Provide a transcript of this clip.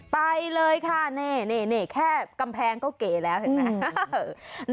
ไปเลยค่ะนี่แค่กำแพงก็เก๋แล้วเห็นไหม